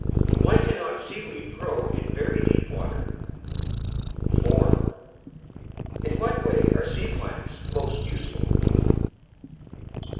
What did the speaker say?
Why cannot Sea weed grow in very deep water? 4. In what way are sea plants most useful?